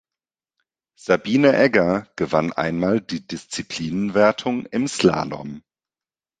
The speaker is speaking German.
Sabine Egger gewann einmal die Disziplinenwertung im Slalom.